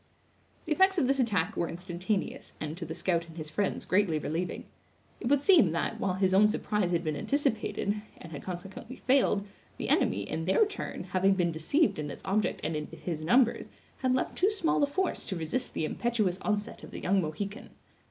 The effects of this attack were instantaneous, and to the scout and his friends greatly relieving. It would seem that, while his own surprise had been anticipated, and had consequently failed, the enemy, in their turn, having been deceived in its object and in his numbers, had left too small a force to resist the impetuous onset of the young Mohican.